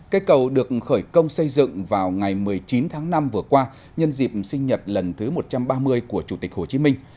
cây cầu được khởi công xây dựng vào ngày một mươi chín tháng năm vừa qua nhân dịp sinh nhật lần thứ một trăm ba mươi của chủ tịch hồ chí minh